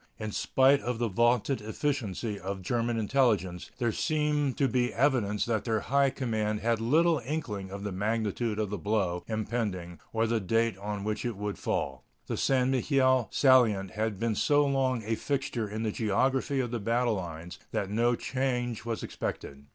In spite of the vaunted efficiency of the German intelligence, there seems to be evidence that their high command had little inkling of the magnitude of the blow impending or the date on which it would fall. The St. Mihiel salient had been so long a fixture in the geography of the battle lines that no change was expected.